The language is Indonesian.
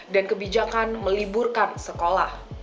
dan kebijakan meliburkan sekolah